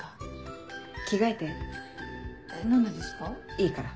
いいから。